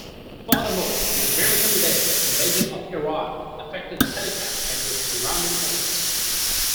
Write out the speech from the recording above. Furthermore, the American-led invasion of Iraq affected the telecast and its surrounding events.